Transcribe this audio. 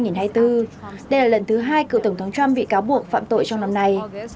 đây là lần thứ hai cựu tổng thống trump bị cáo buộc phạm tội trong năm nay